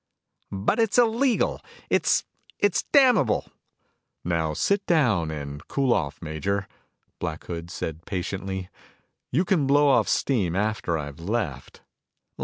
"But it's illegal! It it's damnable!" "Now sit down and cool off, Major," Black Hood said patiently. "You can blow off steam after I've left."